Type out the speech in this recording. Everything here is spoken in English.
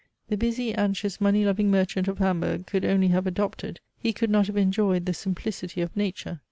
The busy, anxious, money loving merchant of Hamburg could only have adopted, he could not have enjoyed the simplicity of nature.